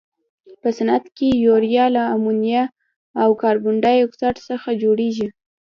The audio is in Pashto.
په صنعت کې یوریا له امونیا او کاربن ډای اکسایډ څخه جوړیږي.